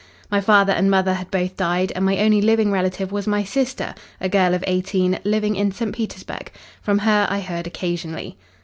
My father and mother had both died, and my only living relative was my sister, a girl of eighteen, living in St. Petersburg. From her I heard occasionally."